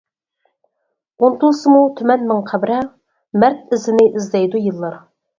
ئۇنتۇلسىمۇ تۈمەن مىڭ قەبرە، مەرد ئىزىنى ئىزدەيدۇ يىللار.